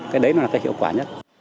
cái đấy là cái hiệu quả nhất